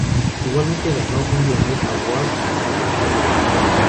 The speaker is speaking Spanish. Igualmente, ganó un Glamour Award a la revelación del año.